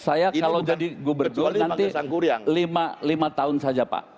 saya kalau jadi gubernur nanti lima tahun saja pak